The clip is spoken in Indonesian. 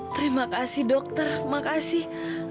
terima kasih dokter makasih